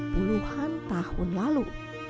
puluhan tahun lalu